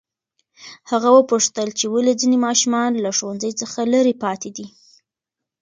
هغه وپوښتل چې ولې ځینې ماشومان له ښوونځي څخه لرې پاتې دي.